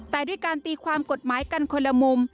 แต่ด้วยการตีความกฎหมายกันคนละมุม